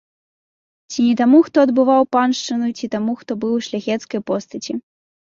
Ці не таму, хто адбываў паншчыну, ці таму, хто быў у шляхецкае постаці?